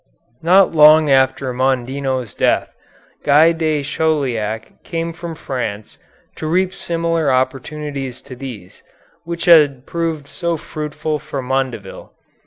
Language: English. Not long after Mondino's death, Guy de Chauliac came from France to reap similar opportunities to these, which had proved so fruitful for Mondeville.